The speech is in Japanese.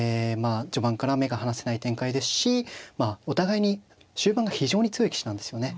あ序盤から目が離せない展開ですしお互いに終盤が非常に強い棋士なんですよね。